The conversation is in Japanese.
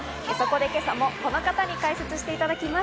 そこで今朝もこの方に解説していただきます。